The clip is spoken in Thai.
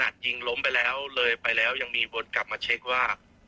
ที่แล้วยังมีวนกลับให้เช็คว่า